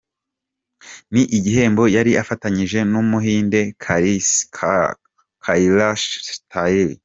Ni igihembo yari afatanyije n’Umuhinde Kailash Satyarthi.